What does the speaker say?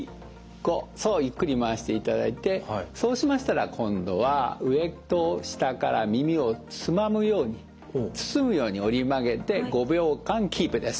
そうゆっくり回していただいてそうしましたら今度は上と下から耳をつまむように包むように折り曲げて５秒間キープです。